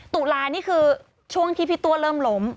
ตุลานี่คือช่วงที่พี่ตัวเริ่มล้ม